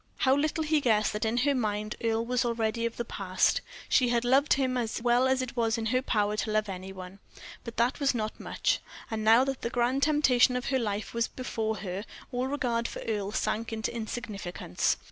How little he guessed that in her mind Earle was already of the past. She had loved him as well as it was in her power to love any one, but that was not much; and now that the grand temptation of her life was before her all regard for Earle sank into insignificance.